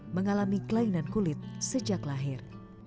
mengalami kelainan kulit sejak lahir